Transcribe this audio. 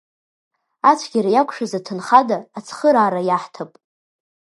Ацәгьара иақәшәаз аҭынхада ацхыраара иаҳҭап.